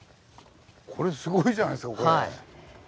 これすごいじゃないですか。